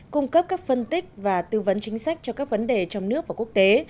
cung cấp các phân tích và tư vấn chính sách cho các vấn đề trong nước và quốc tế